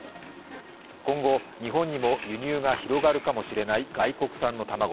今後、日本にも輸入が広がるかもしれない外国産の卵。